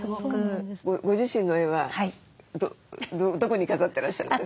ご自身の絵はどこに飾ってらっしゃるんですか？